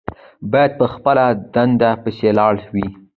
باید په خپله دنده پسې ولاړ وي.